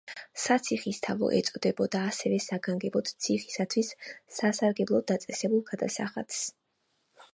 საციხისთავო ეწოდებოდა ასევე საგანგებოდ ციხისთავის სასარგებლოდ დაწესებულ გადასახადს.